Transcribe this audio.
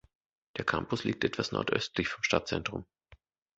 Der Campus liegt etwas nordöstlich vom Stadtzentrum.